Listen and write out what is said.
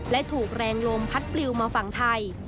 และถูกแรงลมพัดปลิวมาฝั่งไทย